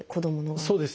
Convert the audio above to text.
そうですね。